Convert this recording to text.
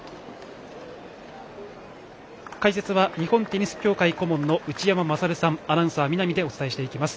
解説は日本テニス協会顧問の内山勝さんアナウンサー、見浪でお伝えしていきます。